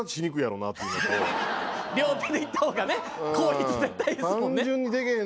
両手でいったほうがね効率絶対いいっすもんね。